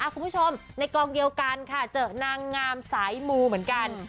คุณผู้ชมในกองเดียวกันค่ะเจอนางงามสายมูเหมือนกัน